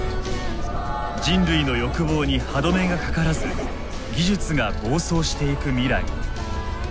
人類の欲望に歯止めがかからず技術が暴走していく未来。